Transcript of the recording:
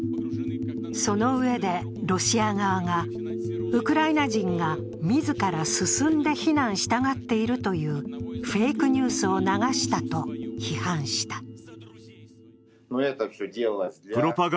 そのうえで、ロシア側がウクライナ人が自ら進んで避難したがっているというフェイクニュースを流したと批判した。